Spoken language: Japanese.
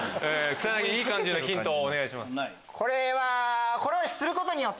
草薙いい感じのヒントをお願いします。